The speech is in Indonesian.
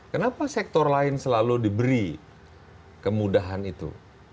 kenapa sektor lain selalu diberi kemudahan itu